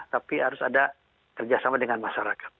tapi harus ada kerjasama dengan masyarakat